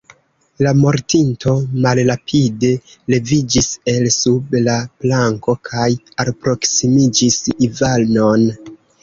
La mortinto malrapide leviĝis el sub la planko kaj alproksimiĝis Ivanon.